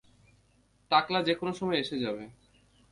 টাকলা যে কোনও সময় এসে যাবে।